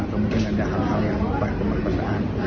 atau mungkin ada hal hal yang berkemersaan